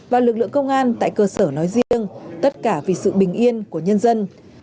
và lực lượng công an tại cơ sở nói riêng tất cả vì sự bình yên của nhân dân